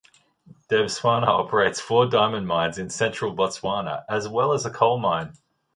Debswana operates four diamond mines in central Botswana, as well as a coal mine.